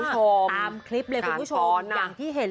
ตามคลิปเลยคุณผู้ชมอย่างที่เห็น